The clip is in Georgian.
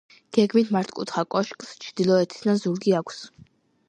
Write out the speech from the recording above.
გეგმით მართკუთხა კოშკს ჩრდილოეთიდან ზურგი აქვს.